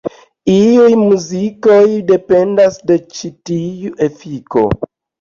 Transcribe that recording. Iuj muzikiloj dependas de ĉi tiu efiko.